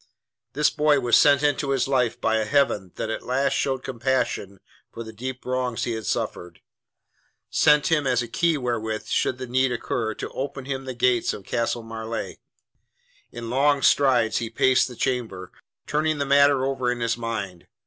This boy was sent into his life by a Heaven that at last showed compassion for the deep wrongs he had suffered; sent him as a key wherewith, should the need occur, to open him the gates of Castle Marleigh. In long strides he paced the chamber, turning the matter over in his mind.